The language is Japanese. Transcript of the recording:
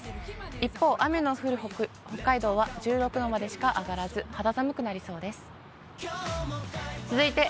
一方、雨の降る北海道は１６度までしか上がらず、肌寒くなりそうです。